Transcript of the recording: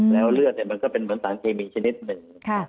แล้วเหมือนสารเคมิชนิดนึง